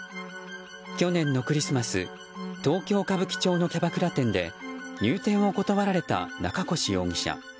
去年のクリスマス東京・歌舞伎町のキャバクラ店で入店を断られた中越容疑者。